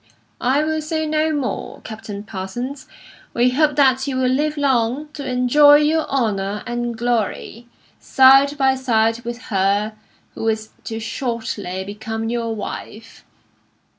I will say no more. Captain Parsons, we hope that you will live long to enjoy your honour and glory, side by side with her who is to shortly become your wife.